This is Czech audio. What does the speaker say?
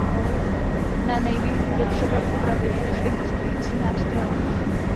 Nanejvýš bude třeba upravit už existující nástroje.